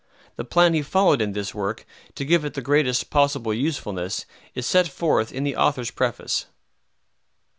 The plan he followed in this work, to give it the greatest possible usefulness, is set forth in the Author's Preface.